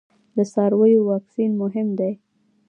د څارویو واکسین مهم دی